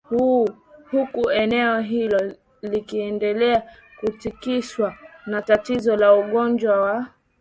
huku eneo hilo likiendelea kutikiswa na tatizo la ugonjwa wa